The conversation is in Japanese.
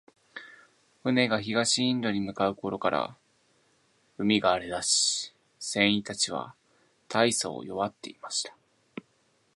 船が東インドに向う頃から、海が荒れだし、船員たちは大そう弱っていました。